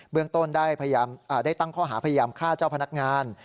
เรื่องต้นได้ตั้งข้อหาพยายามฆ่าเจ้าพนักงาน